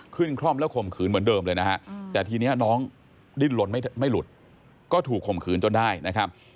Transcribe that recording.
คล่อมแล้วข่มขืนเหมือนเดิมเลยนะฮะแต่ทีนี้น้องดิ้นลนไม่หลุดก็ถูกข่มขืนจนได้นะครับ